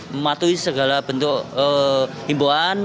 mematuhi segala bentuk himboan